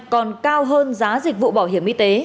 còn cao hơn giá dịch vụ bảo hiểm y tế